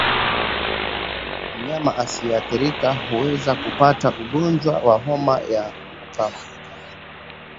Mnyama asiyeathirika huweza kupata ugonjwa wa homa ya mapafu